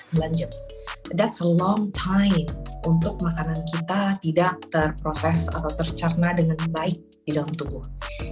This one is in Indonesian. itu adalah waktu yang panjang untuk makanan kita tidak terproses atau tercerna dengan baik di dalam tubuh